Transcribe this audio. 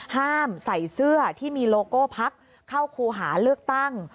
ห้ามใส่เสื้อที่มีโลโก้พักเข้าครูหาเลือกตั้ง